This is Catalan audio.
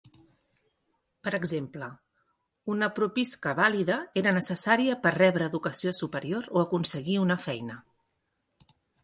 Per exemple, una "propiska" vàlida era necessària per rebre educació superior o aconseguir una feina.